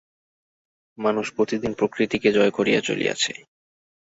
মানুষ প্রতিদিন প্রকৃতিকে জয় করিয়া চলিয়াছে।